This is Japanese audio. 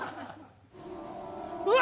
うわ！